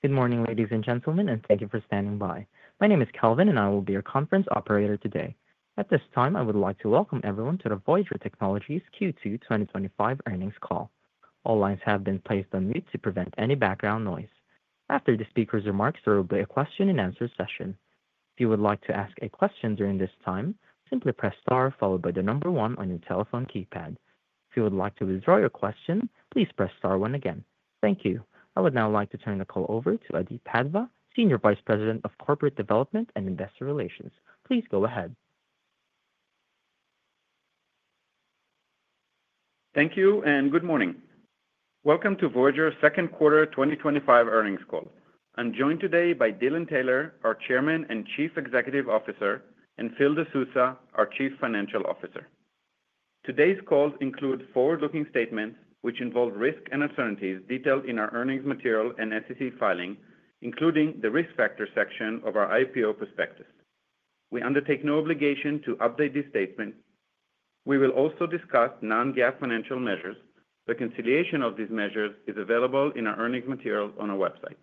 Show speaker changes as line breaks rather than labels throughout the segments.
Good morning, ladies and gentlemen, and thank you for standing by. My name is Kelvin, and I will be your conference operator today. At this time, I would like to welcome everyone to the Voyager Technologies Q2 2025 Earnings Call. All lines have been placed on mute to prevent any background noise. After the speaker's remarks, there will be a question and answer session. If you would like to ask a question during this time, simply press star followed by the number one on your telephone keypad. If you would like to withdraw your question, please press star one again. Thank you. I would now like to turn the call over to Adi Padva, Senior Vice President of Corporate Development and Investor Relations. Please go ahead.
Thank you, and good morning. Welcome to Voyager Technologies' Second Quarter 2025 Earnings Call. I'm joined today by Dylan Taylor, our Chairman and Chief Executive Officer, and Phil De Sousa, our Chief Financial Officer. Today's calls include forward-looking statements, which involve risks and alternatives detailed in our earnings material and SEC filing, including the risk factors section of our IPO prospectus. We undertake no obligation to update these statements. We will also discuss non-GAAP financial measures. The conciliation of these measures is available in our earnings materials on our website.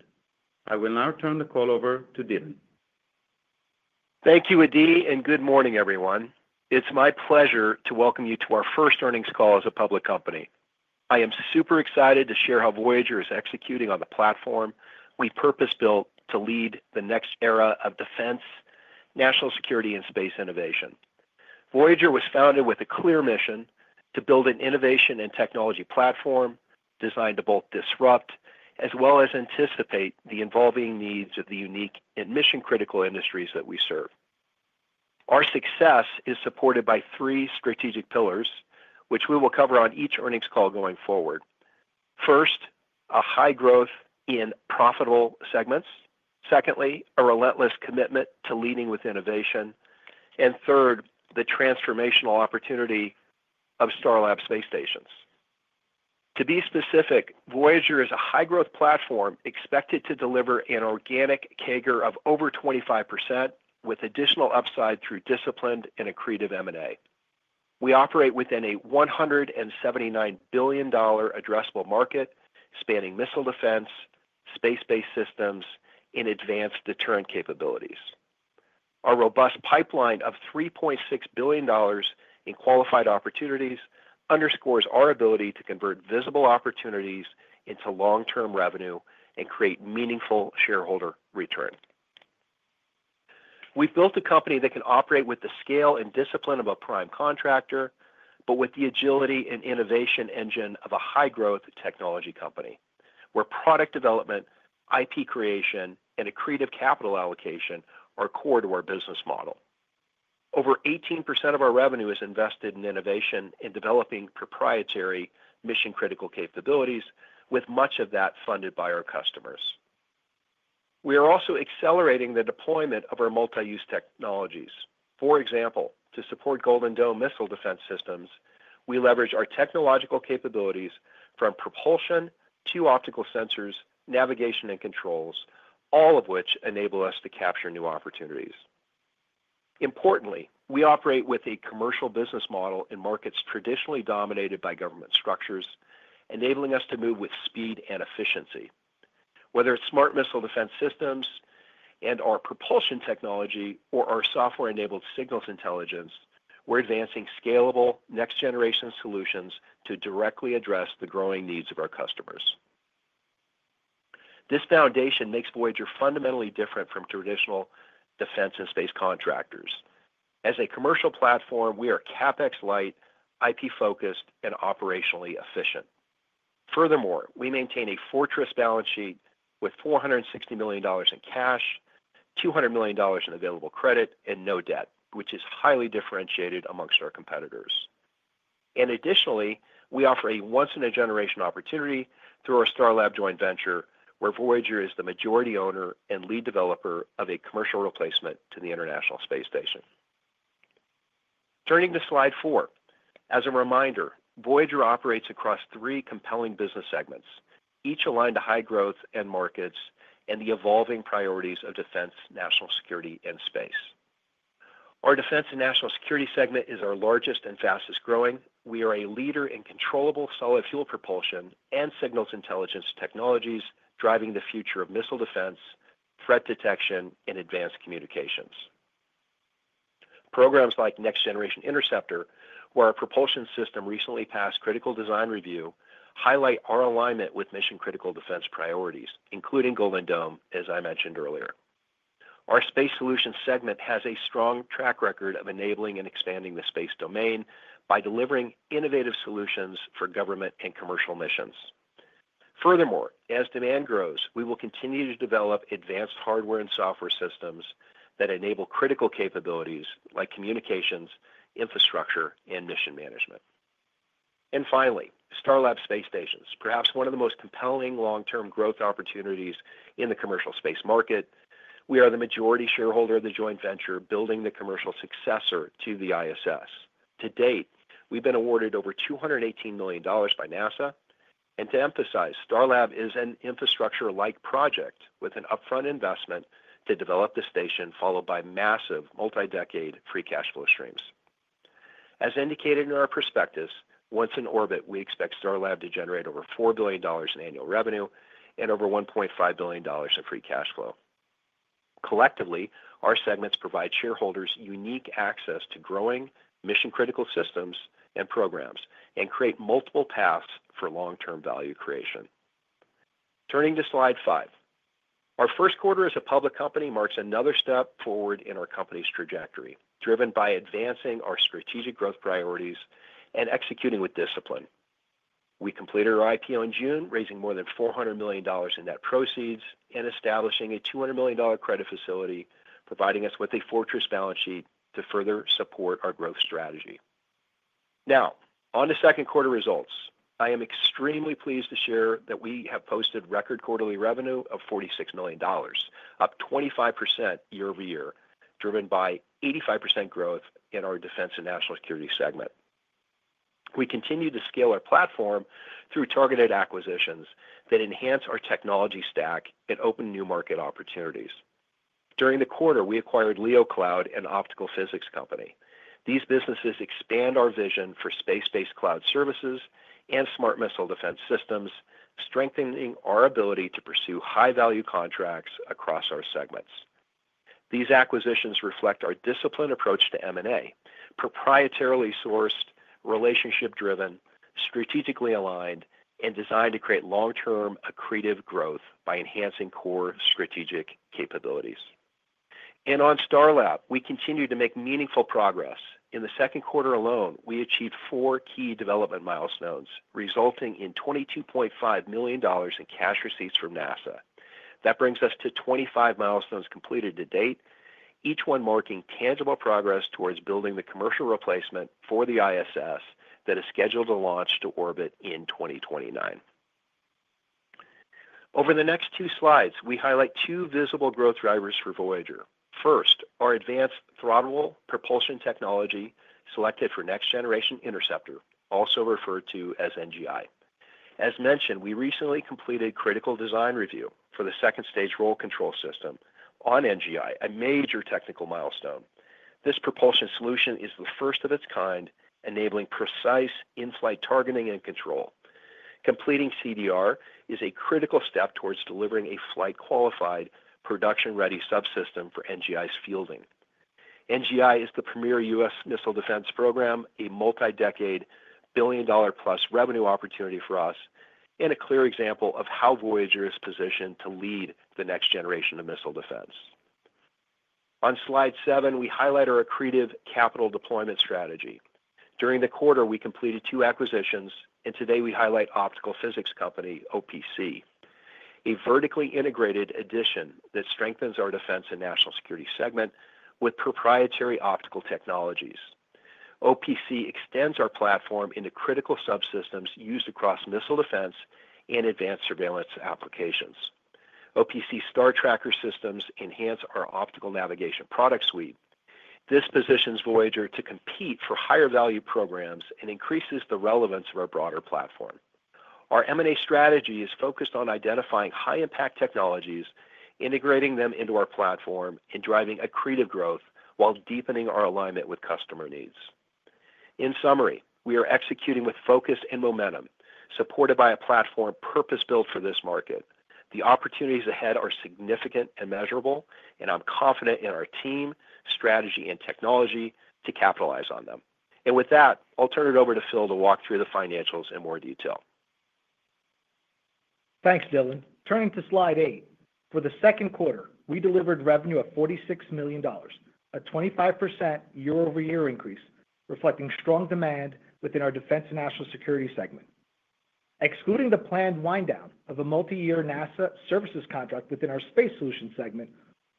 I will now turn the call over to Dylan.
Thank you, Adi, and good morning, everyone. It's my pleasure to welcome you to our first earnings call as a public company. I am super excited to share how Voyager Technologies is executing on the platform we purpose-built to lead the next era of defense, national security, and space innovation. Voyager Technologies was founded with a clear mission: to build an innovation and technology platform designed to both disrupt, as well as anticipate the evolving needs of the unique and mission-critical industries that we serve. Our success is supported by three strategic pillars, which we will cover on each earnings call going forward. First, a high growth in profitable segments. Secondly, a relentless commitment to leading with innovation. Third, the transformational opportunity of Starlab Space Stations project. To be specific, Voyager is a high-growth platform expected to deliver an organic CAGR of over 25%, with additional upside through disciplined and accretive M&A. We operate within a $179 billion addressable market, spanning missile defense, space-based systems, and advanced deterrent capabilities. Our robust pipeline of $3.6 billion in qualified opportunities underscores our ability to convert visible opportunities into long-term revenue and create meaningful shareholder return. We built a company that can operate with the scale and discipline of a prime contractor, but with the agility and innovation engine of a high-growth technology company, where product development, IP creation, and accretive capital allocation are core to our business model. Over 18% of our revenue is invested in innovation and developing proprietary mission-critical capabilities, with much of that funded by our customers. We are also accelerating the deployment of our multi-use technologies. For example, to support Golden Dome missile defense systems, we leverage our technological capabilities from propulsion to optical sensors, navigation, and controls, all of which enable us to capture new opportunities. Importantly, we operate with a commercial business model in markets traditionally dominated by government structures, enabling us to move with speed and efficiency. Whether it's smart missile defense systems and/or propulsion technology, or our software-enabled signals intelligence, we're advancing scalable next-generation solutions to directly address the growing needs of our customers. This foundation makes Voyager fundamentally different from traditional defense and space contractors. As a commercial platform, we are CapEx light, IP-focused, and operationally efficient. Furthermore, we maintain a fortress balance sheet with $460 million in cash, $200 million in available credit, and no debt, which is highly differentiated amongst our competitors. Additionally, we offer a once-in-a-generation opportunity through our Starlab joint venture, where Voyager Technologies is the majority owner and lead developer of a commercial replacement to the International Space Station. Turning to slide four, as a reminder, Voyager operates across three compelling business segments, each aligned to high growth and markets and the evolving priorities of defense, national security, and space. Our defense and national security segment is our largest and fastest growing. We are a leader in controllable solid fuel propulsion and signals intelligence technologies, driving the future of missile defense, threat detection, and advanced communications. Programs like Next Generation Interceptor, where our propulsion system recently passed critical design review, highlight our alignment with mission-critical defense priorities, including Golden Dome, as I mentioned earlier. Our space solutions segment has a strong track record of enabling and expanding the space domain by delivering innovative solutions for government and commercial missions. Furthermore, as demand grows, we will continue to develop advanced hardware and software systems that enable critical capabilities like communications, infrastructure, and mission management. Finally, Starlab Space Stations, perhaps one of the most compelling long-term growth opportunities in the commercial space market. We are the majority shareholder of the joint venture, building the commercial successor to the ISS. To date, we've been awarded over $218 million by NASA. To emphasize, Starlab is an infrastructure-like project with an upfront investment to develop the station, followed by massive multi-decade free cash flow streams. As indicated in our prospectus, once in orbit, we expect Starlab to generate over $4 billion in annual revenue and over $1.5 billion in free cash flow. Collectively, our segments provide shareholders unique access to growing mission-critical systems and programs and create multiple paths for long-term value creation. Turning to slide five, our first quarter as a public company marks another step forward in our company's trajectory, driven by advancing our strategic growth priorities and executing with discipline. We completed our IPO in June, raising more than $400 million in net proceeds and establishing a $200 million credit facility, providing us with a fortress balance sheet to further support our growth strategy. Now, on to second quarter results. I am extremely pleased to share that we have posted record quarterly revenue of $46 million, up 25% year-over-year, driven by 85% growth in our defense and national security segment. We continue to scale our platform through targeted acquisitions that enhance our technology stack and open new market opportunities. During the quarter, we acquired LEOcloud, an Optical Physics Company. These businesses expand our vision for space-based cloud services and smart missile defense systems, strengthening our ability to pursue high-value contracts across our segments. These acquisitions reflect our disciplined approach to M&A, proprietarily sourced, relationship-driven, strategically aligned, and designed to create long-term accretive growth by enhancing core strategic capabilities. On Starlab, we continue to make meaningful progress. In the second quarter alone, we achieved four key development milestones, resulting in $22.5 million in cash receipts from NASA. That brings us to 25 milestones completed to date, each one marking tangible progress towards building the commercial replacement for the ISS that is scheduled to launch to orbit in 2029. Over the next two slides, we highlight two visible growth drivers for Voyager. First, our advanced throttle propulsion technology selected for Next Generation Interceptor, also referred to as NGI. As mentioned, we recently completed critical design review for the second-stage roll control system on NGI, a major technical milestone. This propulsion solution is the first of its kind, enabling precise in-flight targeting and control. Completing CDR is a critical step towards delivering a flight-qualified, production-ready subsystem for NGI's fielding. NGI is the premier U.S. missile defense program, a multi-decade billion-dollar-plus revenue opportunity for us, and a clear example of how Voyager is positioned to lead the next generation of missile defense. On slide seven, we highlight our accretive capital deployment strategy. During the quarter, we completed two acquisitions, and today we highlight Optical Physics Company, OPC, a vertically integrated addition that strengthens our defense and national security segment with proprietary optical technologies. OPC extends our platform into critical subsystems used across missile defense and advanced surveillance applications. OPC's Star Tracker systems enhance our optical navigation product suite. This positions Voyager to compete for higher value programs and increases the relevance of our broader platform. Our M&A strategy is focused on identifying high-impact technologies, integrating them into our platform, and driving accretive growth while deepening our alignment with customer needs. In summary, we are executing with focus and momentum, supported by a platform purpose-built for this market. The opportunities ahead are significant and measurable, and I'm confident in our team, strategy, and technology to capitalize on them. I'll turn it over to Phil to walk through the financials in more detail.
Thanks, Dylan. Turning to slide eight. For the second quarter, we delivered revenue of $46 million, a 25% year-over-year increase, reflecting strong demand within our defense and national security segment. Excluding the planned wind-down of a multi-year NASA services contract within our space solution segment,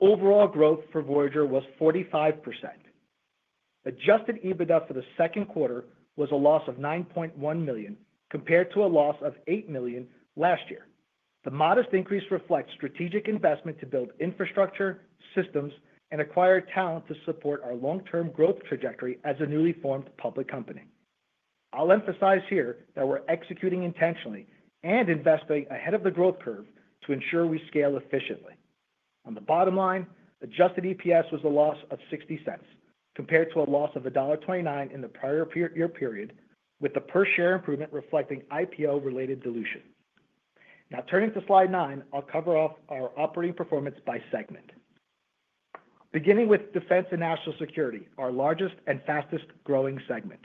overall growth for Voyager was 45%. Adjusted EBITDA for the second quarter was a loss of $9.1 million compared to a loss of $8 million last year. The modest increase reflects strategic investment to build infrastructure, systems, and acquire talent to support our long-term growth trajectory as a newly formed public company. I'll emphasize here that we're executing intentionally and investing ahead of the growth curve to ensure we scale efficiently. On the bottom line, adjusted EPS was a loss of $0.60 compared to a loss of $1.29 in the prior year period, with the per-share improvement reflecting IPO-related dilution. Now, turning to slide nine, I'll cover off our operating performance by segment. Beginning with defense and national security, our largest and fastest growing segment.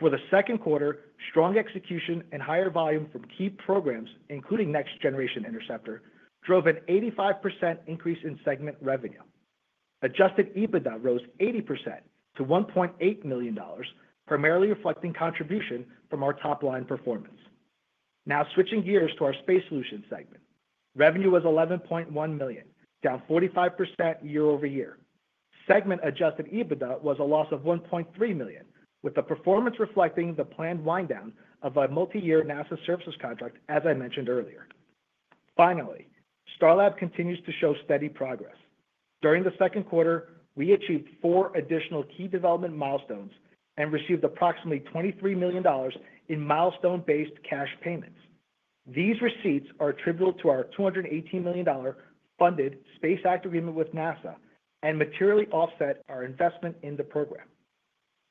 For the second quarter, strong execution and higher volume from key programs, including Next Generation Interceptor, drove an 85% increase in segment revenue. Adjusted EBITDA rose 80% to $1.8 million, primarily reflecting contribution from our top-line performance. Now, switching gears to our space solution segment. Revenue was $11.1 million, down 45% year-over-year. Segment adjusted EBITDA was a loss of $1.3 million, with the performance reflecting the planned wind-down of a multi-year NASA services contract, as I mentioned earlier. Finally, Starlab continues to show steady progress. During the second quarter, we achieved four additional key development milestones and received approximately $23 million in milestone-based cash payments. These receipts are attributable to our $218 million funded space act agreement with NASA and materially offset our investment in the program.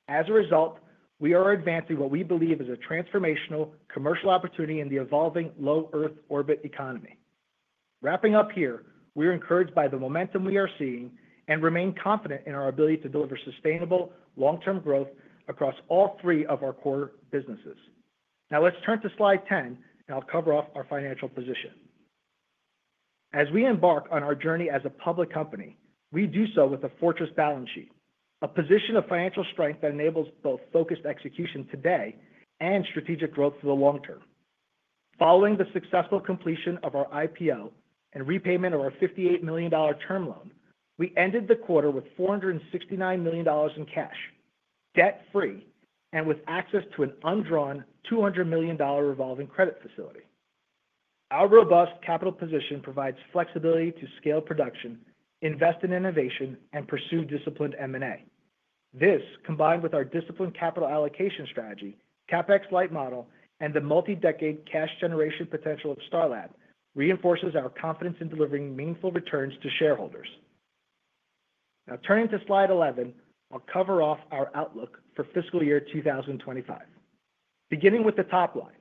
As a result, we are advancing what we believe is a transformational commercial opportunity in the evolving low-Earth orbit economy. Wrapping up here, we are encouraged by the momentum we are seeing and remain confident in our ability to deliver sustainable long-term growth across all three of our core businesses. Now, let's turn to slide 10, and I'll cover off our financial position. As we embark on our journey as a public company, we do so with a fortress balance sheet, a position of financial strength that enables both focused execution today and strategic growth for the long term. Following the successful completion of our IPO and repayment of our $58 million term loan, we ended the quarter with $469 million in cash, debt-free, and with access to an undrawn $200 million revolving credit facility. Our robust capital position provides flexibility to scale production, invest in innovation, and pursue disciplined M&A. This, combined with our disciplined capital allocation strategy, CapEx light model, and the multi-decade cash generation potential of Starlab, reinforces our confidence in delivering meaningful returns to shareholders. Now, turning to slide 11, I'll cover off our outlook for fiscal year 2025. Beginning with the top line,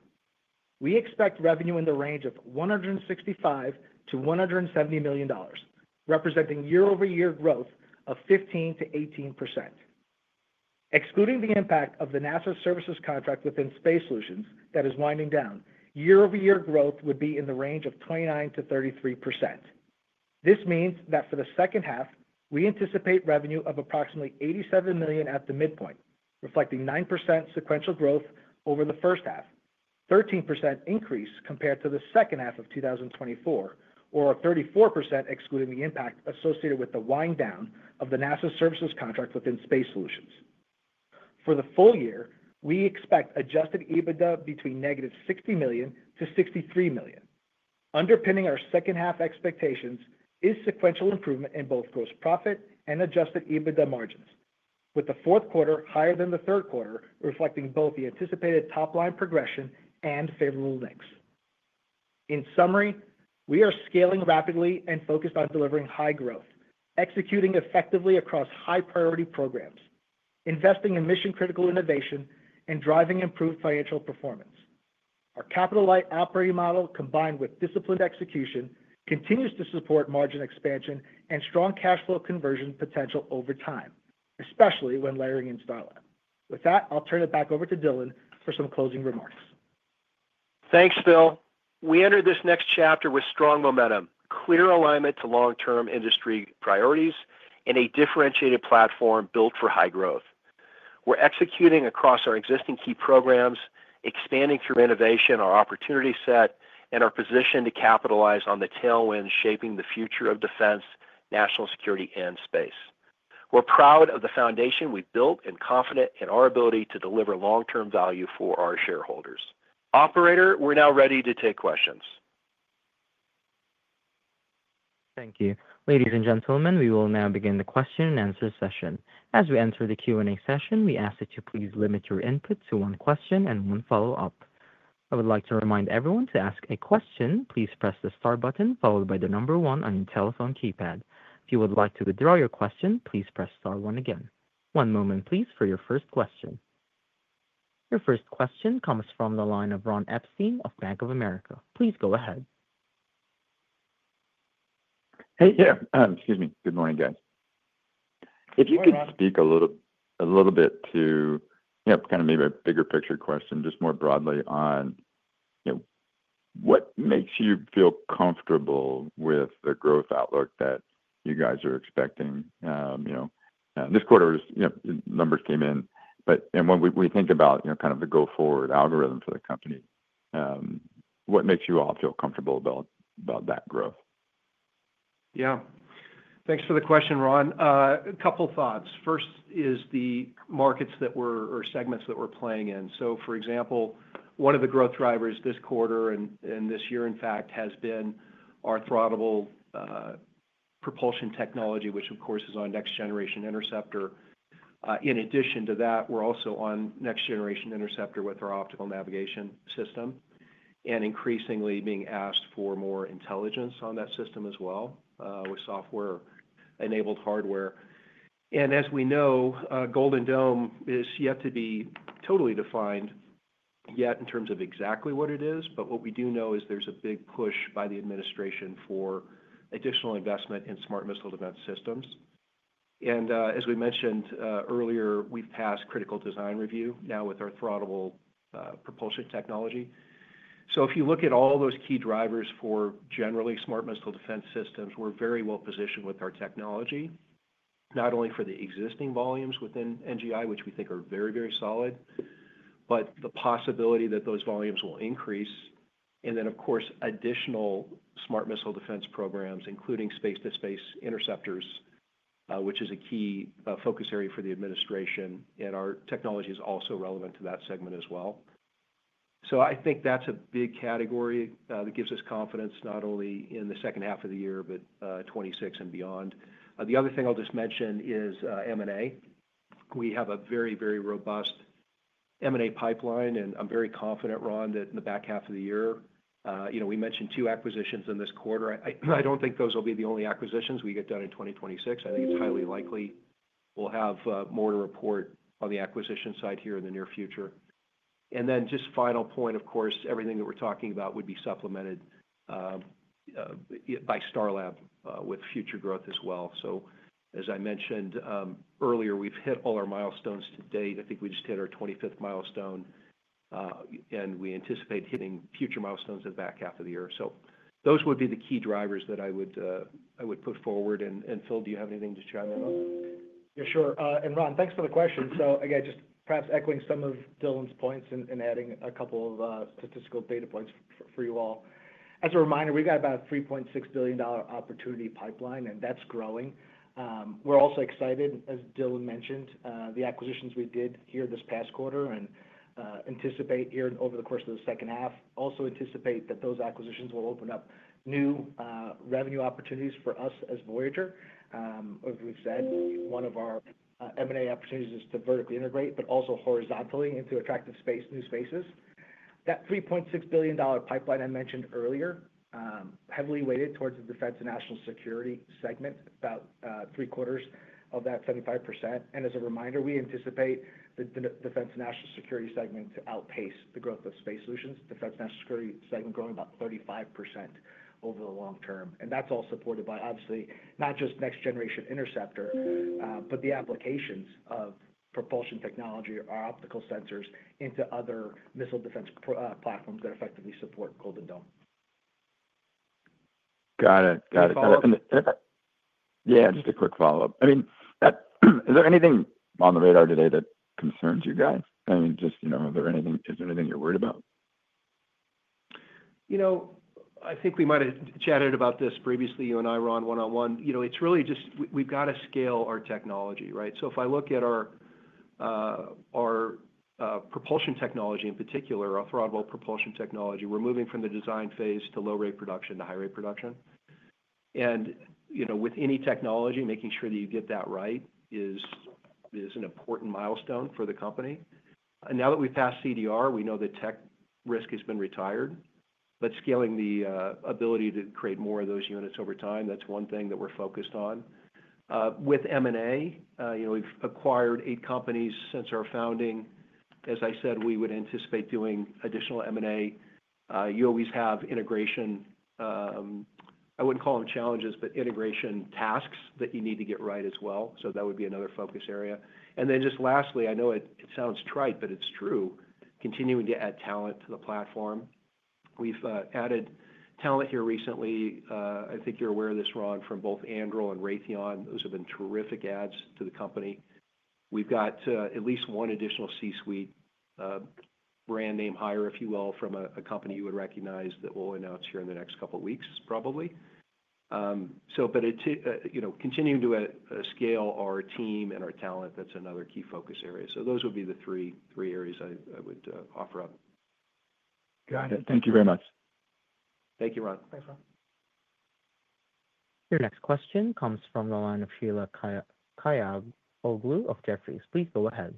we expect revenue in the range of $165 million-$170 million, representing year-over-year growth of 15%-18%. Excluding the impact of the NASA services contract within space solutions that is winding down, year-over-year growth would be in the range of 29%-33%. This means that for the second half, we anticipate revenue of approximately $87 million at the midpoint, reflecting 9% sequential growth over the first half, a 13% increase compared to the second half of 2024, or a 34% excluding the impact associated with the wind-down of the NASA services contract within space solutions. For the full year, we expect adjusted EBITDA between negative $60 million to $63 million. Underpinning our second half expectations is sequential improvement in both gross profit and adjusted EBITDA margins, with the fourth quarter higher than the third quarter, reflecting both the anticipated top-line progression and favorable mix. In summary, we are scaling rapidly and focused on delivering high growth, executing effectively across high-priority programs, investing in mission-critical innovation, and driving improved financial performance. Our capital light operating model, combined with disciplined execution, continues to support margin expansion and strong cash flow conversion potential over time, especially when layering in Starlab. With that, I'll turn it back over to Dylan for some closing remarks.
Thanks, Phil. We enter this next chapter with strong momentum, clear alignment to long-term industry priorities, and a differentiated platform built for high growth. We're executing across our existing key programs, expanding through innovation, our opportunity set, and our position to capitalize on the tailwinds shaping the future of defense, national security, and space. We're proud of the foundation we've built and confident in our ability to deliver long-term value for our shareholders. Operator, we're now ready to take questions.
Thank you. Ladies and gentlemen, we will now begin the question-and-answer session. As we enter the Q&A session, we ask that you please limit your input to one question and one follow-up. I would like to remind everyone to ask a question, please press the star button followed by the number one on your telephone keypad. If you would like to withdraw your question, please press star one again. One moment, please, for your first question. Your first question comes from the line of Ron Epstein of Bank of America. Please go ahead.
Good morning, guys. If you could speak a little bit to, you know, kind of maybe a bigger picture question, just more broadly on, you know, what makes you feel comfortable with the growth outlook that you guys are expecting? This quarter was, you know, numbers came in, but when we think about, you know, kind of the go-forward algorithm for the company, what makes you all feel comfortable about that growth?
Yeah, thanks for the question, Ron. A couple of thoughts. First is the markets that we're, or segments that we're playing in. For example, one of the growth drivers this quarter and this year, in fact, has been our throttle propulsion technology, which of course is on Next Generation Interceptor. In addition to that, we're also on Next Generation Interceptor with our optical navigation system and increasingly being asked for more intelligence on that system as well, with software-enabled hardware. As we know, Golden Dome is yet to be totally defined yet in terms of exactly what it is, but what we do know is there's a big push by the administration for additional investment in smart missile defense systems. As we mentioned earlier, we've passed critical design review now with our throttle propulsion technology. If you look at all those key drivers for generally smart missile defense systems, we're very well positioned with our technology, not only for the existing volumes within NGI, which we think are very, very solid, but the possibility that those volumes will increase. Of course, additional smart missile defense programs, including space-to-space interceptors, which is a key focus area for the administration, and our technology is also relevant to that segment as well. I think that's a big category that gives us confidence not only in the second half of the year, but 2026 and beyond. The other thing I'll just mention is M&A. We have a very, very robust M&A pipeline, and I'm very confident, Ron, that in the back half of the year, you know, we mentioned two acquisitions in this quarter. I don't think those will be the only acquisitions we get done in 2026. I think it's highly likely we'll have more to report on the acquisition side here in the near future. Just final point, of course, everything that we're talking about would be supplemented by Starlab with future growth as well. As I mentioned earlier, we've hit all our milestones to date. I think we just hit our 25th milestone, and we anticipate hitting future milestones in the back half of the year. Those would be the key drivers that I would put forward. Phil, do you have anything to chime in on?
Yeah, sure. Ron, thanks for the question. Just perhaps echoing some of Dylan's points and adding a couple of statistical data points for you all. As a reminder, we've got about a $3.6 billion opportunity pipeline, and that's growing. We're also excited, as Dylan mentioned, about the acquisitions we did here this past quarter and anticipate here over the course of the second half. We also anticipate that those acquisitions will open up new revenue opportunities for us as Voyager. As we've said, one of our M&A opportunities is to vertically integrate, but also horizontally into attractive new spaces. That $3.6 billion pipeline I mentioned earlier is heavily weighted towards the defense and national security segment, about three quarters of that, 75%. As a reminder, we anticipate the defense and national security segment to outpace the growth of space solutions, with the defense and national security segment growing about 35% over the long term. That's all supported by, obviously, not just Next Generation Interceptor, but the applications of propulsion technology, our optical sensors, into other missile defense platforms that effectively support Golden Dome.
Got it. Just a quick follow-up. Is there anything on the radar today that concerns you guys? Is there anything you're worried about?
I think we might have chatted about this previously, you and I, Ron, one-on-one. It's really just we've got to scale our technology, right? If I look at our propulsion technology in particular, our throttle propulsion technology, we're moving from the design phase to low-rate production to high-rate production. With any technology, making sure that you get that right is an important milestone for the company. Now that we've passed CDR, we know the tech risk has been retired, but scaling the ability to create more of those units over time, that's one thing that we're focused on. With M&A, we've acquired eight companies since our founding. As I said, we would anticipate doing additional M&A. You always have integration, I wouldn't call them challenges, but integration tasks that you need to get right as well. That would be another focus area. Lastly, I know it sounds trite, but it's true, continuing to add talent to the platform. We've added talent here recently. I think you're aware of this, Ron, from both Anduril and Raytheon. Those have been terrific adds to the company. We've got at least one additional C-suite brand name hire, if you will, from a company you would recognize that we'll announce here in the next couple of weeks, probably. It's continuing to scale our team and our talent, that's another key focus area. Those would be the three areas I would offer up.
Got it. Thank you very much.
Thank you, Ron.
Thanks, Ron.
Your next question comes from the line of Sheila Kahyaoglu of Jefferies. Please go ahead.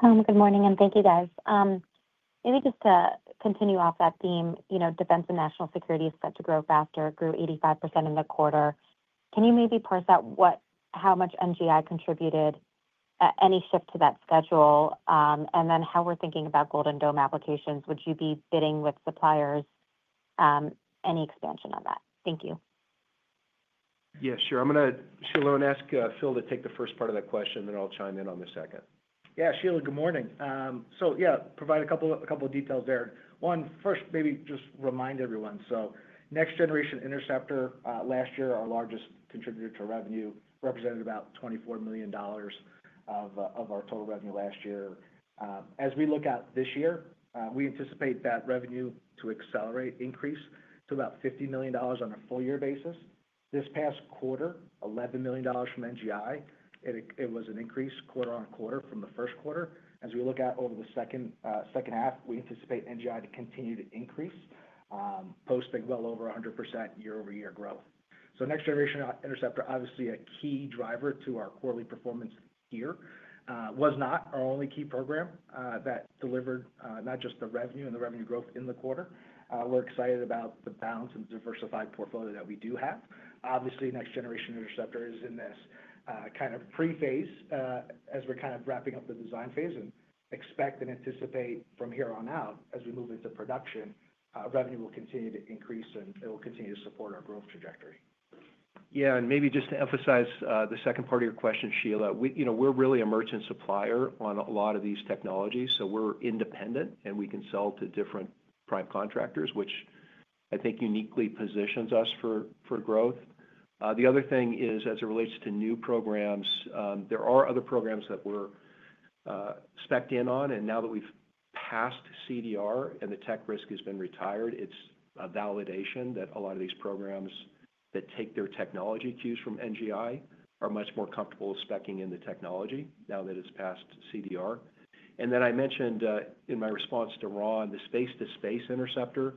Good morning, and thank you, guys. Maybe just to continue off that theme, you know, defense and national security expect to grow faster, grew 85% in the quarter. Can you maybe parse out how much NGI contributed at any shift to that schedule, and then how we're thinking about Golden Dome applications? Would you be bidding with suppliers? Any expansion on that? Thank you.
Yeah, sure. I'm going to ask Phil to take the first part of that question, and then I'll chime in on the second.
Yeah, Sheila, good morning. Provide a couple of details there. One, first, maybe just remind everyone. Next Generation Interceptor last year, our largest contributor to revenue, represented about $24 million of our total revenue last year. As we look out this year, we anticipate that revenue to accelerate, increase to about $50 million on a four-year basis. This past quarter, $11 million from NGI. It was an increase quarter-on-quarter from the first quarter. As we look out over the second half, we anticipate NGI to continue to increase, posting well over 100% year-over-year growth. Next Generation Interceptor, obviously a key driver to our quarterly performance here, was not our only key program that delivered not just the revenue and the revenue growth in the quarter. We're excited about the balance and diversified portfolio that we do have. Obviously, Next Generation Interceptor is in this kind of pre-phase as we're kind of wrapping up the design phase and expect and anticipate from here on out, as we move into production, revenue will continue to increase and it will continue to support our growth trajectory.
Yeah, and maybe just to emphasize the second part of your question, Sheila, we're really a merchant supplier on a lot of these technologies. We're independent and we can sell to different prime contractors, which I think uniquely positions us for growth. The other thing is, as it relates to new programs, there are other programs that we're specced in on, and now that we've passed CDR and the tech risk has been retired, it's a validation that a lot of these programs that take their technology cues from NGI are much more comfortable with speccing in the technology now that it's passed CDR. I mentioned in my response to Ron, the space-to-space interceptor,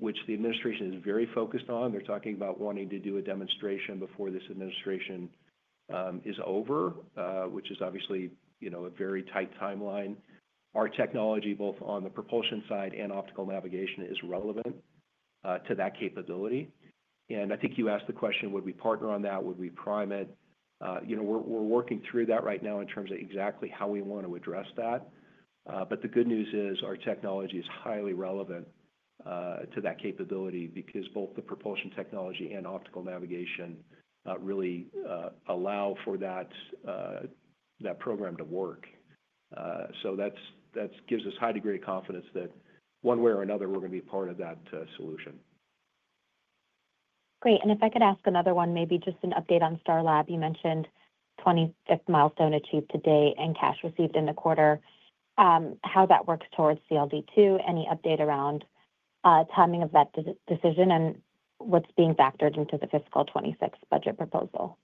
which the administration is very focused on. They're talking about wanting to do a demonstration before this administration is over, which is obviously a very tight timeline. Our technology, both on the propulsion side and optical navigation, is relevant to that capability. I think you asked the question, would we partner on that? Would we prime it? We're working through that right now in terms of exactly how we want to address that. The good news is our technology is highly relevant to that capability because both the propulsion technology and optical navigation really allow for that program to work. That gives us a high degree of confidence that one way or another, we're going to be part of that solution.
Great. If I could ask another one, maybe just an update on Starlab. You mentioned 25th milestone achieved to date and cash received in the quarter. How that works towards CLD too, any update around timing of that decision and what's being factored into the fiscal 2026 budget proposal?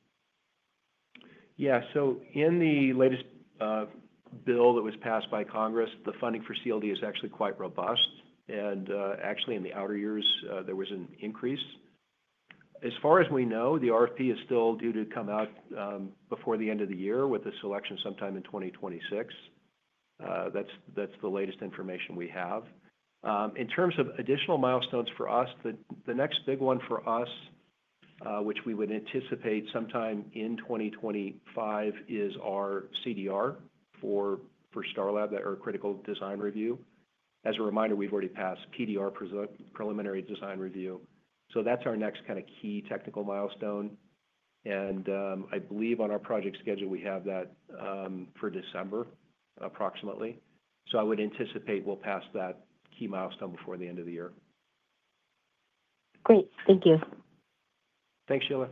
Yeah, so in the latest bill that was passed by Congress, the funding for CLD is actually quite robust. Actually, in the outer years, there was an increase. As far as we know, the RFP is still due to come out before the end of the year with a selection sometime in 2026. That's the latest information we have. In terms of additional milestones for us, the next big one for us, which we would anticipate sometime in 2025, is our CDR for Starlab, that Earth Critical Design Review. As a reminder, we've already passed PDR, Preliminary Design Review. That's our next kind of key technical milestone. I believe on our project schedule, we have that for December, approximately. I would anticipate we'll pass that key milestone before the end of the year.
Great. Thank you.
Thanks, Sheila.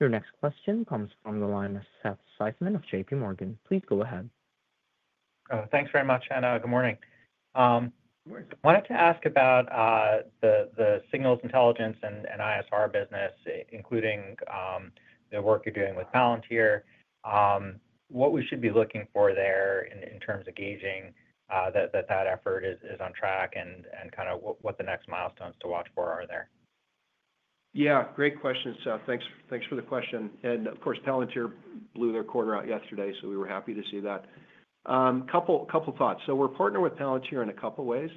Your next question comes from the line of Seth Seifman of JPMorgan. Please go ahead.
Thanks very much, and good morning. I wanted to ask about the signals intelligence and ISR business, including the work you're doing with Palantir. What should we be looking for there in terms of gauging that effort is on track and what the next milestones to watch for are there?
Yeah, great question. Seth, thanks for the question. Of course, Palantir blew their quarter out yesterday, so we were happy to see that. A couple of thoughts. We're partnering with Palantir in a couple of ways.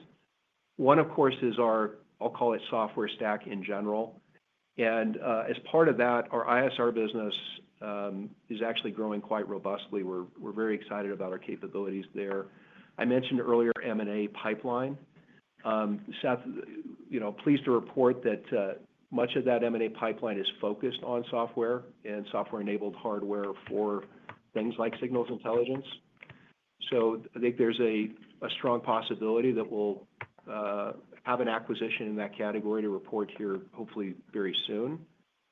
One, of course, is our, I'll call it software stack in general. As part of that, our ISR business is actually growing quite robustly. We're very excited about our capabilities there. I mentioned earlier M&A pipeline. Seth, pleased to report that much of that M&A pipeline is focused on software and software-enabled hardware for things like signals intelligence. I think there's a strong possibility that we'll have an acquisition in that category to report here, hopefully very soon,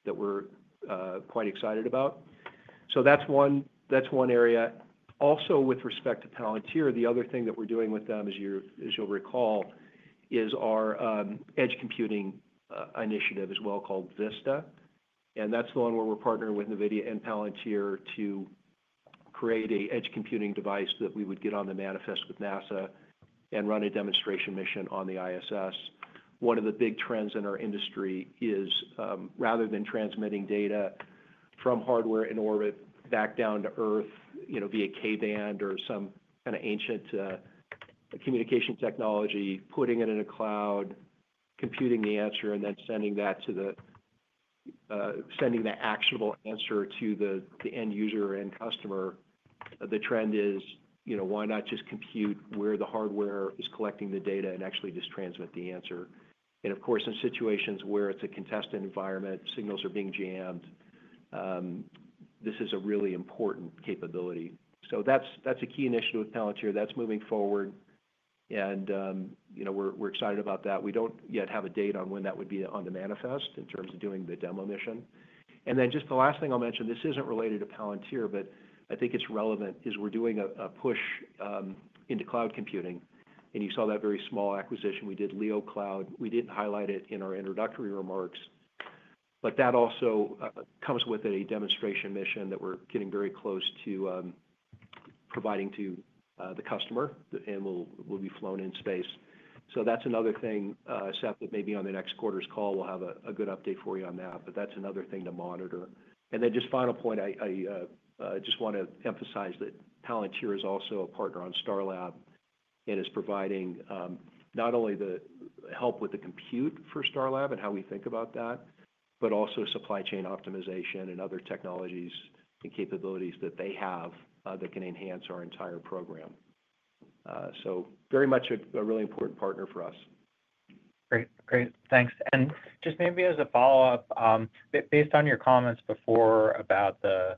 that we're quite excited about. That's one area. Also, with respect to Palantir, the other thing that we're doing with them, as you'll recall, is our edge computing initiative as well, called Vista. That's the one where we're partnering with NVIDIA and Palantir to create an edge computing device that we would get on the manifest with NASA and run a demonstration mission on the ISS. One of the big trends in our industry is, rather than transmitting data from hardware in orbit back down to Earth, you know, via K-band or some kind of ancient communication technology, putting it in a cloud, computing the answer, and then sending that to the actionable answer to the end user and customer. The trend is, you know, why not just compute where the hardware is collecting the data and actually just transmit the answer? In situations where it's a contested environment, signals are being jammed. This is a really important capability. That's a key initiative with Palantir that's moving forward. We're excited about that. We don't yet have a date on when that would be on the manifest in terms of doing the demo mission. Just the last thing I'll mention, this isn't related to Palantir, but I think it's relevant, is we're doing a push into cloud computing. You saw that very small acquisition we did, LEOcloud. We didn't highlight it in our introductory remarks. That also comes with a demonstration mission that we're getting very close to providing to the customer, and will be flown in space. That's another thing, Seth, that maybe on the next quarter's call, we'll have a good update for you on that. That's another thing to monitor. Just final point, I just want to emphasize that Palantir is also a partner on Starlab and is providing not only the help with the compute for Starlab and how we think about that, but also supply chain optimization and other technologies and capabilities that they have that can enhance our entire program. Very much a really important partner for us.
Great, thanks. Maybe as a follow-up, based on your comments before about the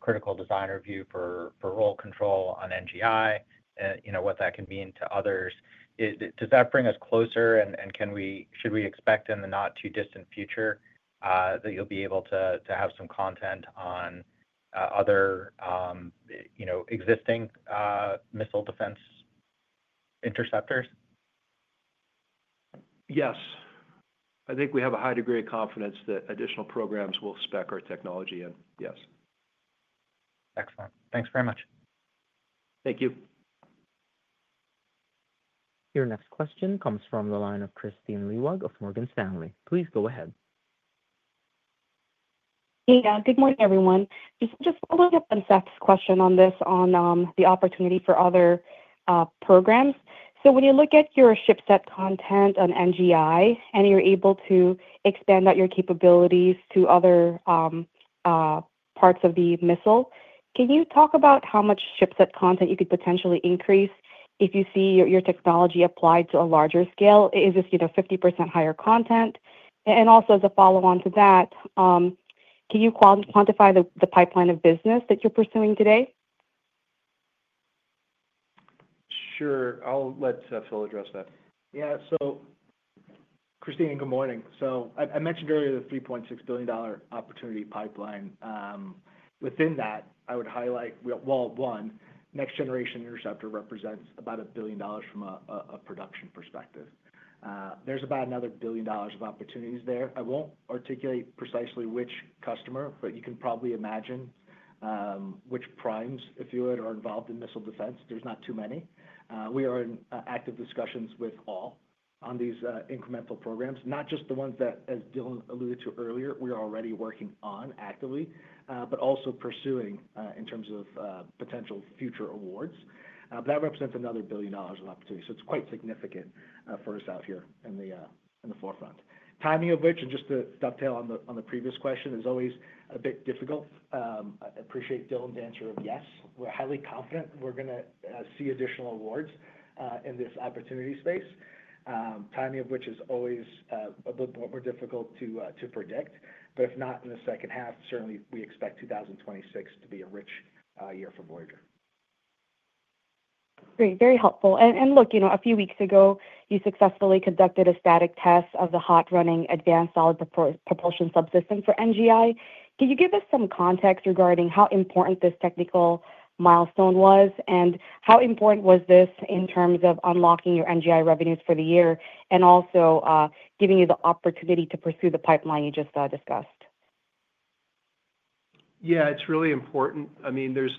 critical design review for roll control on NGI and what that can mean to others, does that bring us closer? Should we expect in the not-too-distant future that you'll be able to have some content on other existing missile defense interceptors?
Yes, I think we have a high degree of confidence that additional programs will spec our technology in, yes.
Excellent. Thanks very much.
Thank you.
Your next question comes from the line of Kristine Liuwag of Morgan Stanley. Please go ahead.
Good morning everyone. Just following up on Seth's question on the opportunity for other programs. When you look at your ship set content on NGI and you're able to expand out your capabilities to other parts of the missile, can you talk about how much ship set content you could potentially increase if you see your technology applied to a larger scale? Is this 50% higher content? Also, as a follow-on to that, can you quantify the pipeline of business that you're pursuing today?
Sure, I'll let Phil address that.
Yeah, so, Kristine, good morning. I mentioned earlier the $3.6 billion opportunity pipeline. Within that, I would highlight, well, one, Next Generation Interceptor represents about $1 billion from a production perspective. There's about another $1 billion of opportunities there. I won't articulate precisely which customer, but you can probably imagine which primes, if you would, are involved in missile defense. There's not too many. We are in active discussions with all on these incremental programs, not just the ones that, as Dylan alluded to earlier, we are already working on actively, but also pursuing in terms of potential future awards. That represents another $1 billion of opportunity. It's quite significant for us out here in the forefront. Timing of which, and just to dovetail on the previous question, is always a bit difficult. I appreciate Dylan's answer of yes. We're highly confident we're going to see additional awards in this opportunity space. Timing of which is always a little bit more difficult to predict. If not in the second half, certainly we expect 2026 to be a rich year for Voyager.
Great, very helpful. A few weeks ago, you successfully conducted a static test of the hot running advanced solid propulsion subsystem for NGI. Can you give us some context regarding how important this technical milestone was, how important this was in terms of unlocking your NGI revenues for the year, and also giving you the opportunity to pursue the pipeline you just discussed?
Yeah, it's really important. I mean, there's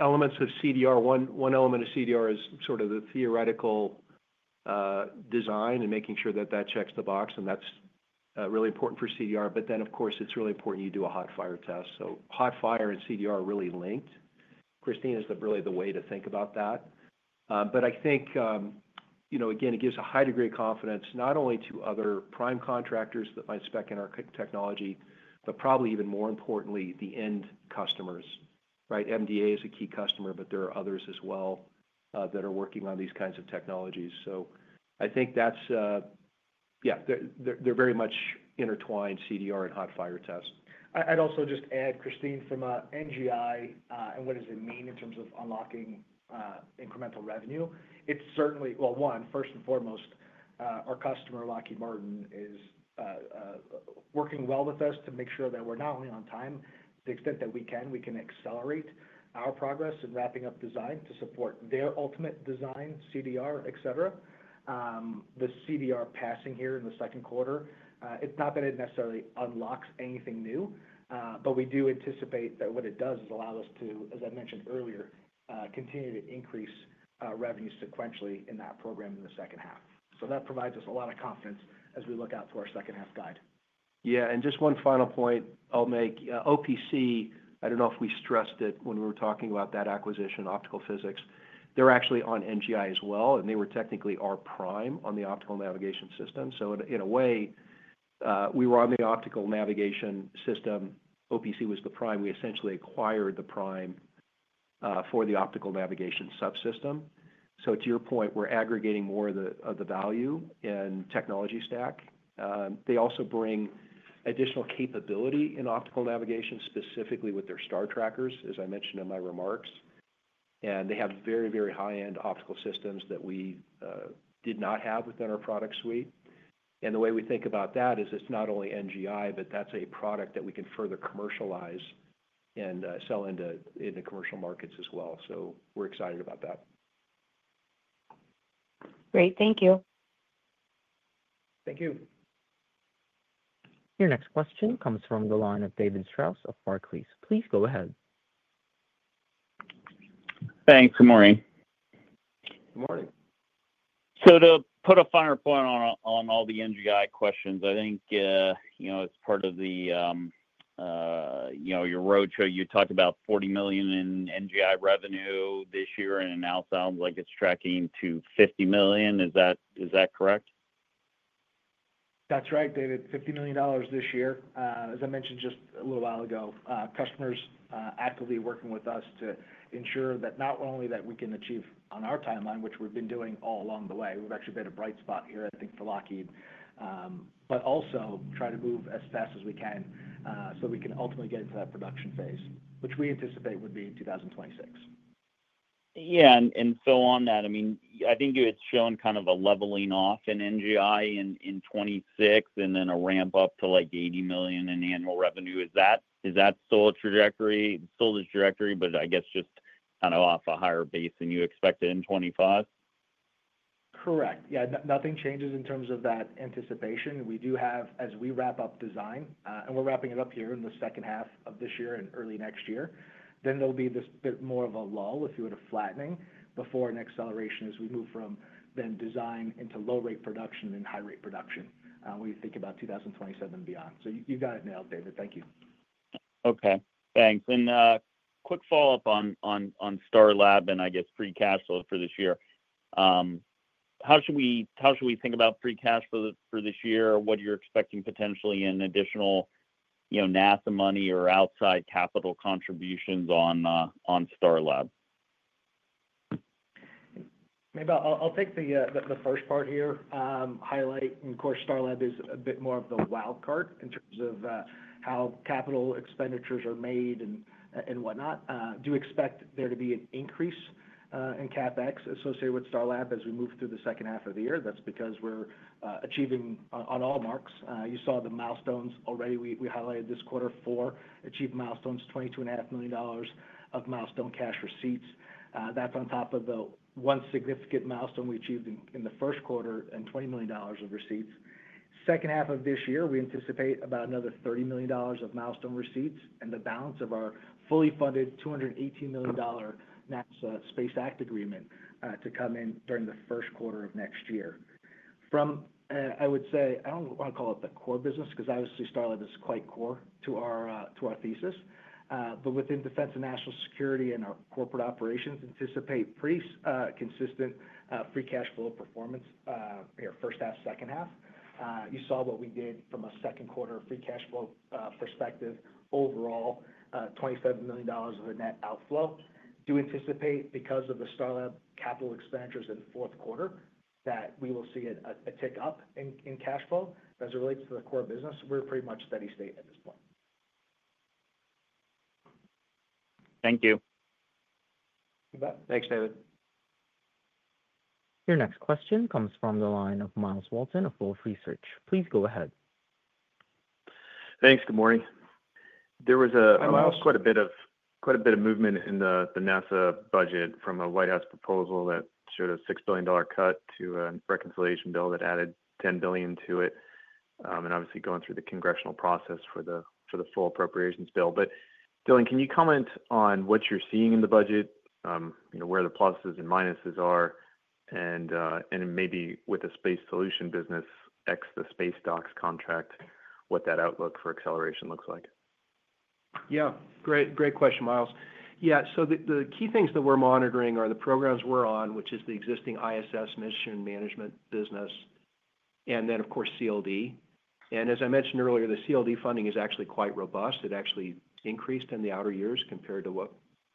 elements of CDR. One element of CDR is sort of the theoretical design and making sure that that checks the box, and that's really important for CDR. It's really important you do a hot fire test. Hot fire and CDR are really linked. Christine is really the way to think about that. I think, you know, again, it gives a high degree of confidence not only to other prime contractors that might spec in our technology, but probably even more importantly, the end customers. Right? MDA is a key customer, but there are others as well that are working on these kinds of technologies. I think that's, yeah, they're very much intertwined, CDR and hot fire tests.
I'd also just add, Kristine, from NGI and what does it mean in terms of unlocking incremental revenue. First and foremost, our customer, Lockheed Martin, is working well with us to make sure that we're not only on time, to the extent that we can, we can accelerate our progress in wrapping up design to support their ultimate design, CDR, etc. The CDR passing here in the second quarter, it's not that it necessarily unlocks anything new, but we do anticipate that what it does is allow us to, as I mentioned earlier, continue to increase revenue sequentially in that program in the second half. That provides us a lot of confidence as we look out to our second half guide.
Yeah, and just one final point I'll make. OPC, I don't know if we stressed it when we were talking about that acquisition, optical physics, they're actually on NGIr as well, and they were technically our prime on the optical navigation system. In a way, we were on the optical navigation system. OPC was the prime. We essentially acquired the prime for the optical navigation subsystem. To your point, we're aggregating more of the value and technology stack. They also bring additional capability in optical navigation, specifically with their star trackers, as I mentioned in my remarks. They have very, very high-end optical systems that we did not have within our product suite. The way we think about that is it's not only NGI, but that's a product that we can further commercialize and sell into the commercial markets as well. We're excited about that.
Great, thank you.
Thank you.
Your next question comes from the line of David Strauss of Barclays. Please go ahead.
Thanks, good morning.
Good morning.
To put a finer point on all the NGI questions, as part of your roadshow, you talked about $40 million in NGI revenue this year, and it now sounds like it's tracking to $50 million. Is that correct?
That's right, David, $50 million this year. As I mentioned just a little while ago, customers are actively working with us to ensure that not only that we can achieve on our timeline, which we've been doing all along the way, we've actually been a bright spot here, I think, for Lockheed, but also try to move as fast as we can so we can ultimately get into that production phase, which we anticipate would be in 2026.
Yeah, on that, I think you had shown kind of a leveling off in NGI in 2026 and then a ramp up to like $80 million in annual revenue. Is that still a trajectory, still this trajectory, but I guess just kind of off a higher base than you expected in 2025?
Correct, yeah, nothing changes in terms of that anticipation. We do have, as we wrap up design, and we're wrapping it up here in the second half of this year and early next year, there will be this bit more of a lull, if you would, a flattening before an acceleration as we move from design into low-rate production and then high-rate production when you think about 2027 and beyond. You got it nailed, David, thank you.
Okay, thanks. Quick follow-up on Starlab and I guess free cash flow for this year. How should we think about free cash flow for this year? What are you expecting potentially in additional, you know, NASA money or outside capital contributions on Starlab?
Maybe I'll take the first part here, highlight, and of course, Starlab is a bit more of the wildcard in terms of how capital expenditures are made and whatnot. I do expect there to be an increase in CapEx associated with Starlab as we move through the second half of the year. That's because we're achieving on all marks. You saw the milestones already. We highlighted this quarter four, achieved milestones, $22.5 million of milestone cash receipts. That's on top of the one significant milestone we achieved in the first quarter and $20 million of receipts. Second half of this year, we anticipate about another $30 million of milestone receipts and the balance of our fully funded $218 million NASA space act agreement to come in during the first quarter of next year. I would say, I don't want to call it the core business because obviously Starlab is quite core to our thesis, but within defense and national security and our corporate operations, anticipate pretty consistent free cash flow performance in your first half, second half. You saw what we did from a second quarter free cash flow perspective. Overall, $27 million of a net outflow. I do anticipate, because of the Starlab capital expenditures in the fourth quarter, that we will see a tick up in cash flow. As it relates to the core business, we're pretty much steady state at this point.
Thank you.
Thanks, David.
Your next question comes from the line of Myles Walton of Wolfe Research. Please go ahead.
Thanks, good morning. There was quite a bit of movement in the NASA budget from a White House proposal that showed a $6 billion cut to a reconciliation bill that added $10 billion to it. Obviously, going through the congressional process for the full appropriations bill. Dylan, can you comment on what you're seeing in the budget, where the pluses and minuses are, and maybe with the space solution business, excluding the SpaceDOCs contract, what that outlook for acceleration looks like?
Yeah, great question, Myles. The key things that we're monitoring are the programs we're on, which is the existing ISS mission management business, and then, of course, CLD. As I mentioned earlier, the CLD funding is actually quite robust. It actually increased in the outer years compared to what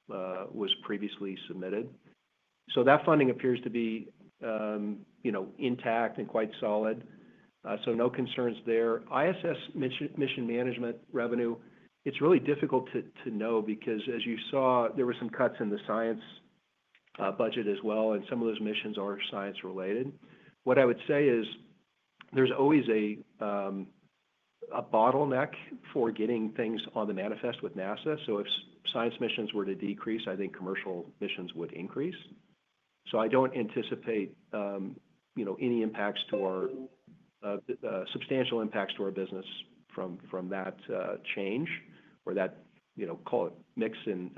was previously submitted. That funding appears to be intact and quite solid. No concerns there. ISS mission management revenue, it's really difficult to know because, as you saw, there were some cuts in the science budget as well, and some of those missions are science-related. What I would say is there's always a bottleneck for getting things on the manifest with NASA. If science missions were to decrease, I think commercial missions would increase. I don't anticipate any substantial impacts to our business from that change or that mix in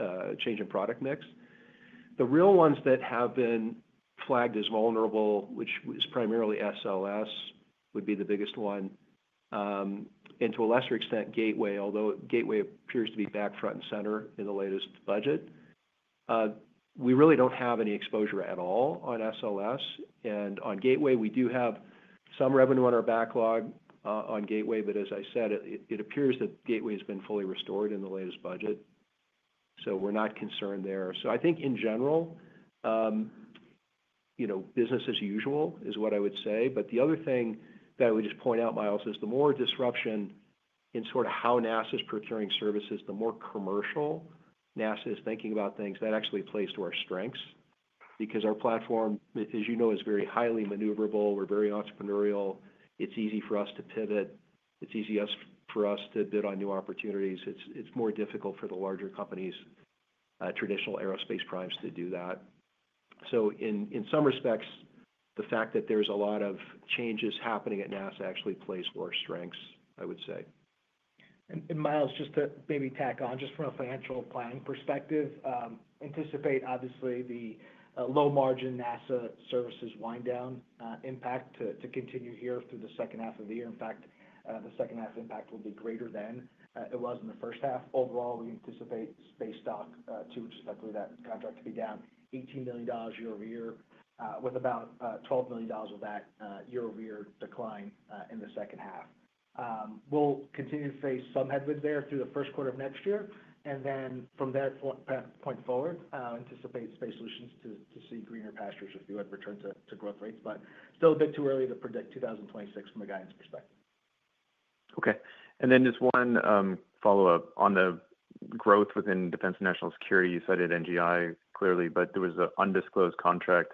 change in product mix. The real ones that have been flagged as vulnerable, which is primarily SLS, would be the biggest one. To a lesser extent, Gateway, although Gateway appears to be back front and center in the latest budget. We really don't have any exposure at all on SLS. On Gateway, we do have some revenue on our backlog on Gateway, but as I said, it appears that Gateway has been fully restored in the latest budget. We're not concerned there. I think in general, business as usual is what I would say. The other thing that I would just point out, Myles, is the more disruption in sort of how NASA's procuring services, the more commercial NASA is thinking about things, that actually plays to our strengths because our platform, as you know, is very highly maneuverable. We're very entrepreneurial. It's easy for us to pivot. It's easy for us to bid on new opportunities. It's more difficult for the larger companies, traditional aerospace primes, to do that. In some respects, the fact that there's a lot of changes happening at NASA actually plays to our strengths, I would say.
Myles, just to maybe tack on, just from a financial planning perspective, I anticipate obviously the low margin NASA services wind-down impact to continue here through the second half of the year. In fact, the second half impact will be greater than it was in the first half. Overall, we anticipate SpaceDOC II to expect that contract to be down $18 million year-over-year, with about $12 million of that year-over-year decline in the second half. We'll continue to face some headwind there through the first quarter of next year. From that point forward, I anticipate space solutions to see greener pastures, if you would, return to growth rates. Still a bit too early to predict 2026 from a guidance perspective.
Okay. Just one follow-up on the growth within defense and national security. You cited NGI clearly, but there was an undisclosed contract.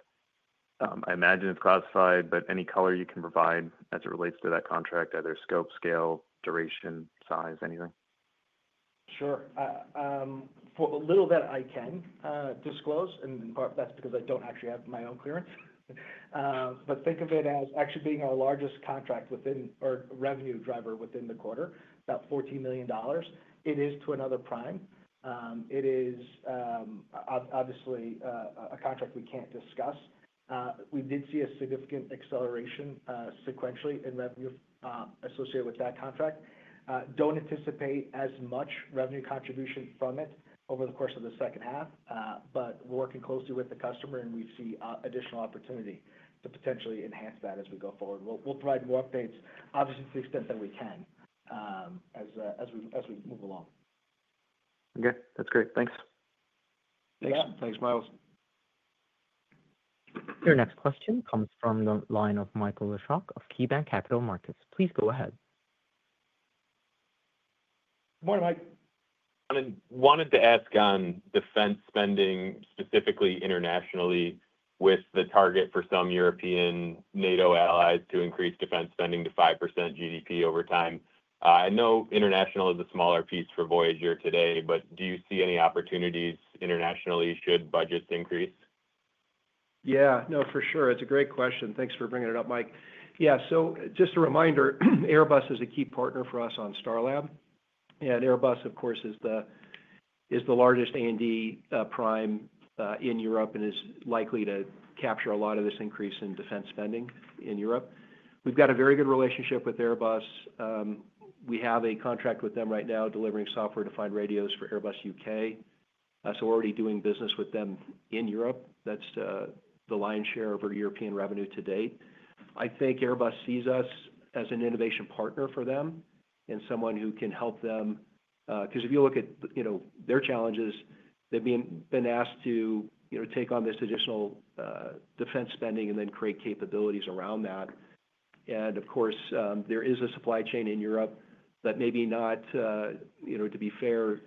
I imagine it's classified, but any color you can provide as it relates to that contract, either scope, scale, duration, size, anything?
Sure. For a little that I can disclose, and in part that's because I don't actually have my own clearance, but think of it as actually being our largest contract within our revenue driver within the quarter, about $14 million. It is to another prime. It is obviously a contract we can't discuss. We did see a significant acceleration sequentially in revenue associated with that contract. I don't anticipate as much revenue contribution from it over the course of the second half, but we're working closely with the customer and we see additional opportunity to potentially enhance that as we go forward. We'll provide more updates, obviously to the extent that we can as we move along.
Okay, that's great. Thanks.
Thanks, thanks, Myles.
Your next question comes from the line of Michael Leshock of KeyBanc Capital Markets. Please go ahead.
Good morning, Mike.
I wanted to ask on defense spending specifically internationally, with the target for some European NATO allies to increase defense spending to 5% GDP over time. I know international is a smaller piece for Voyager today, but do you see any opportunities internationally should budgets increase?
Yeah, no, for sure. It's a great question. Thanks for bringing it up, Mike. Yeah, just a reminder, Airbus is a key partner for us on Starlab. Airbus, of course, is the largest A&D prime in Europe and is likely to capture a lot of this increase in defense spending in Europe. We've got a very good relationship with Airbus. We have a contract with them right now delivering software-defined radios for Airbus UK. We're already doing business with them in Europe. That's the lion's share of our European revenue to date. I think Airbus sees us as an innovation partner for them and someone who can help them, because if you look at their challenges, they've been asked to take on this additional defense spending and then create capabilities around that. There is a supply chain in Europe that may be, to be fair,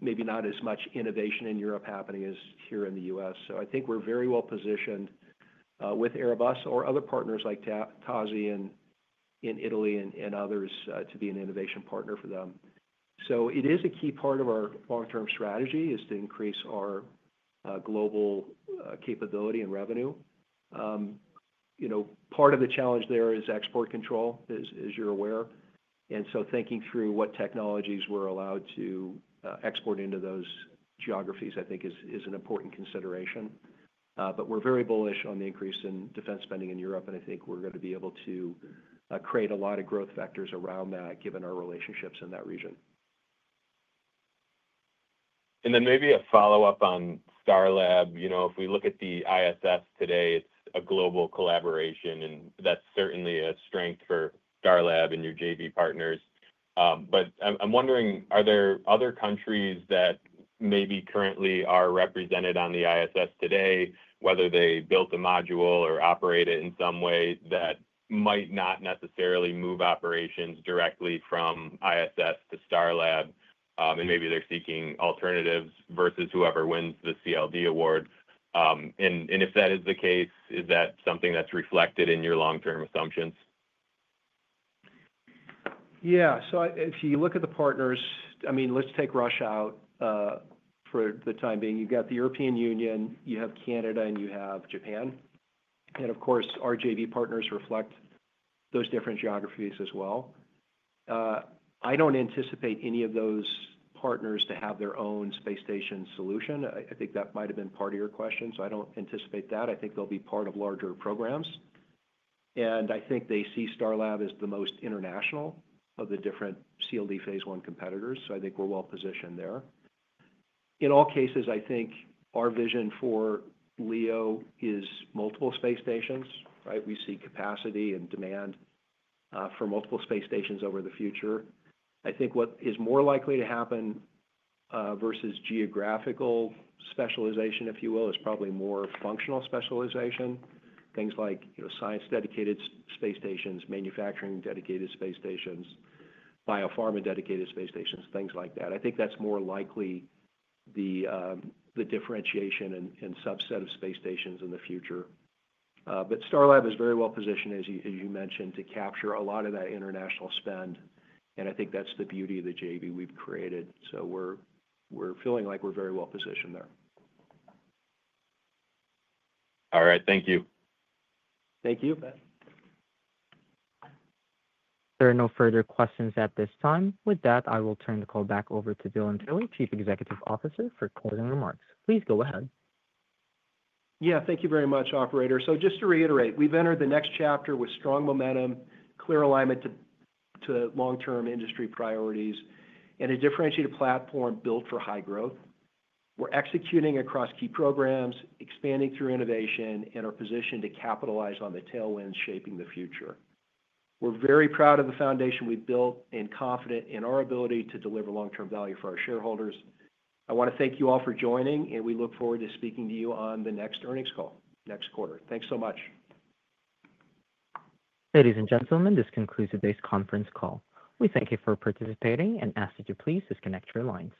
maybe not as much innovation in Europe happening as here in the U.S. I think we're very well positioned with Airbus or other partners like TASI in Italy and others to be an innovation partner for them. It is a key part of our long-term strategy to increase our global capability and revenue. Part of the challenge there is export control, as you're aware. Thinking through what technologies we're allowed to export into those geographies, I think, is an important consideration. We're very bullish on the increase in defense spending in Europe, and I think we're going to be able to create a lot of growth factors around that, given our relationships in that region.
Maybe a follow-up on Starlab. If we look at the ISS today, it's a global collaboration, and that's certainly a strength for Starlab and your JV partners. I'm wondering, are there other countries that currently are represented on the ISS, whether they built a module or operate it in some way, that might not necessarily move operations directly from the ISS to Starlab, and maybe they're seeking alternatives versus whoever wins the CLD award? If that is the case, is that something that's reflected in your long-term assumptions?
Yeah, if you look at the partners, let's take Russia out for the time being. You've got the European Union, you have Canada, and you have Japan. Of course, our JV partners reflect those different geographies as well. I don't anticipate any of those partners to have their own space station solution. I think that might have been part of your question, so I don't anticipate that. I think they'll be part of larger programs. I think they see Starlab as the most international of the different CLD phase I competitors, so we're well positioned there. In all cases, our vision for LEO is multiple space stations, right? We see capacity and demand for multiple space stations over the future. What is more likely to happen versus geographical specialization, if you will, is probably more functional specialization. Things like science-dedicated space stations, manufacturing-dedicated space stations, biopharma-dedicated space stations, things like that. I think that's more likely the differentiation and subset of space stations in the future. Starlab is very well positioned, as you mentioned, to capture a lot of that international spend. I think that's the beauty of the JV we've created. We're feeling like we're very well positioned there.
All right, thank you.
Thank you.
There are no further questions at this time. With that, I will turn the call back over to Dylan Taylor, Chief Executive Officer, for closing remarks. Please go ahead.
Thank you very much, Operator. Just to reiterate, we've entered the next chapter with strong momentum, clear alignment to long-term industry priorities, and a differentiated platform built for high growth. We're executing across key programs, expanding through innovation, and are positioned to capitalize on the tailwinds shaping the future. We're very proud of the foundation we've built and confident in our ability to deliver long-term value for our shareholders. I want to thank you all for joining, and we look forward to speaking to you on the next earnings call next quarter. Thanks so much.
Ladies and gentlemen, this concludes today's conference call. We thank you for participating and ask that you please disconnect your lines.